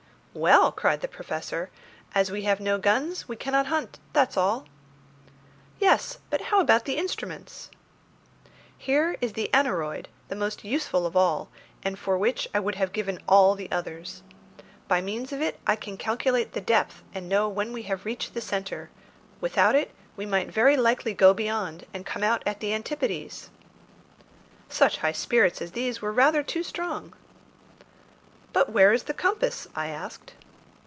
"Well," cried the Professor, "as we have no guns we cannot hunt, that's all." "Yes, but how about the instruments?" "Here is the aneroid, the most useful of all, and for which I would have given all the others. By means of it I can calculate the depth and know when we have reached the centre; without it we might very likely go beyond, and come out at the antipodes!" Such high spirits as these were rather too strong. "But where is the compass? I asked.